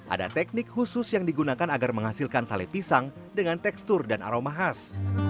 ada teknik khusus yang digunakan agar menghasilkan sale pisang dengan tekstur dan aroma khas